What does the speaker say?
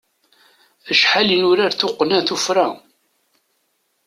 Acḥal i nurar tuqqna tuffra!